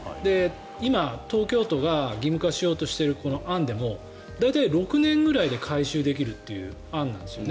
今、東京都が義務化しようとしている案でも大体、６年ぐらいで回収できるという案なんです。